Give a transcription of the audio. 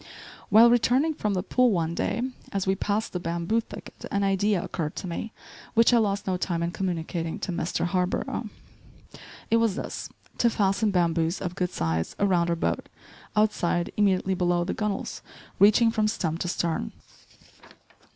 While returning from the pool one day, as we passed the bamboo thicket an idea occurred to me which I lost no time in communicating to Mr. Harborough. It was this; to fasten bamboos, of good size, around our boat, outside, immediately below the gunwales, reaching from stem to stern.